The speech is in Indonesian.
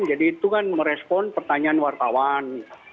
jadi itu kan merespon pertanyaan wartawan